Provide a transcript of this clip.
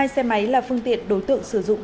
hai xe máy là phương tiện đối tượng sử dụng